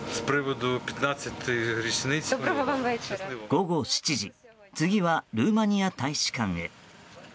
午後７時次はルーマニア大使館へ。